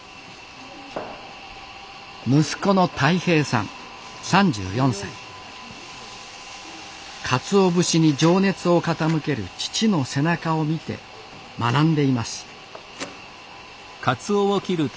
息子のかつお節に情熱を傾ける父の背中を見て学んでいます。